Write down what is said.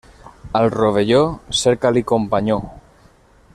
Al rovelló, cerca-li companyó.